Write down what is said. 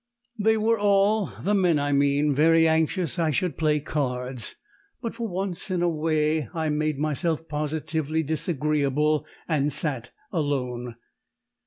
They were all (the men, I mean) very anxious I should play cards, but for once in a way I made myself positively disagreeable and sat alone!